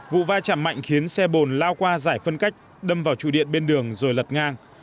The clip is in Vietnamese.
vụ va chạm mạnh khiến xe bồn lao qua giải phân cách đâm vào trụ điện bên đường rồi lật ngang